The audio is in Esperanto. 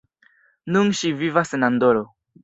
Nun ŝi vivas en Andoro.